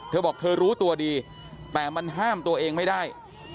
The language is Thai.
เธอบอกเธอรู้ตัวดีแต่มันห้ามตัวเองไม่ได้